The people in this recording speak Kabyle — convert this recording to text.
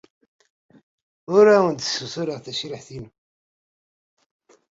Ur awen-d-ssutureɣ tacehṛit-inu.